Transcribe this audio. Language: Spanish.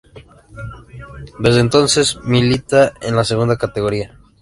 Desde entonces milita en la segunda categoría.